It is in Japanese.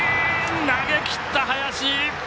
投げきった林！